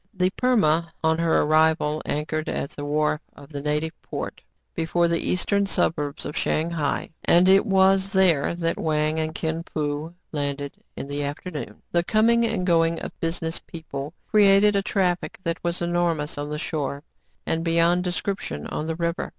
" The Perma," on her arrival, anchored at the wharf of the native port, before the eastern suburbs of Shang hai ; and it was there that Wang and Kin Fo landed in the afternoon. The coming and going of business people cre ated a traffic that was enormous on the shore, and beyond description on the river.